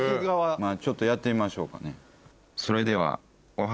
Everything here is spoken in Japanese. ちょっとやってみましょうかね。